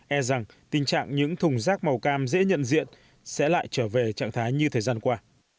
e rằng tình trạng những thùng rác màu cam dễ nhận diện sẽ lại trở về trạng thái như thời gian qua